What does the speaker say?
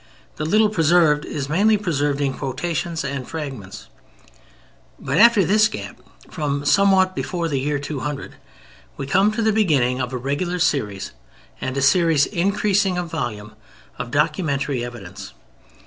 The little preserved is mainly preserved in quotations and fragments. But after this gap, from somewhat before the year 200, we come to the beginning of a regular series, and a series increasing in volume, of documentary evidence.